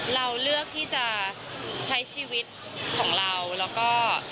เราเลือกที่จะใช้ชีวิตของเราแล้วก็